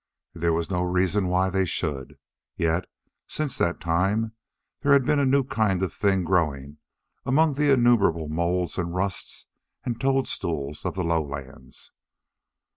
There was no reason why they should. Yet, since that time there had been a new kind of thing growing among the innumerable moulds and rusts and toadstools of the lowlands.